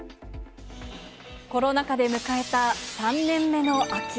コロナ禍で迎えた３年目の秋。